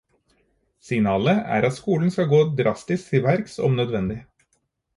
Signalet er at skolen skal gå drastisk til verks om nødvendig.